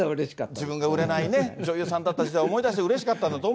自分が売れない女優さんだった時代を思い出して、うれしかったと思う。